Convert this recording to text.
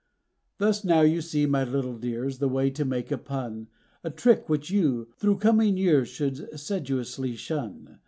Thus now you see, my little dears, the way to make a pun; A trick which you, through coming years, should sedulously shun.